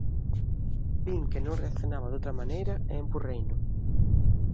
Vin que non reaccionaba doutra maneira e empurreino.